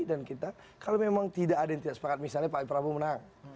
dan kita kalau memang tidak ada yang tidak sepakat misalnya pak prabowo menang